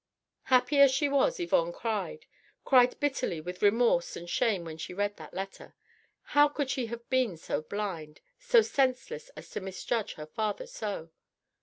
Happy as she was Yvonne cried cried bitterly with remorse and shame when she read that letter. How could she have been so blind, so senseless as to misjudge her father so?